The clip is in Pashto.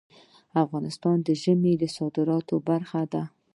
ژمی د افغانستان د صادراتو برخه ده.